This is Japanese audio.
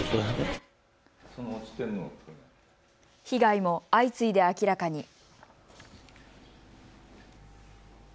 被害も相次いで明らかに。